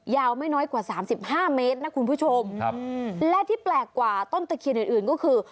ยาวไม่น้อยกว่า๓๕เมตรนะคุณผู้ชมและที่แปลกกว่าต้นตะเคียนอื่นก็คือ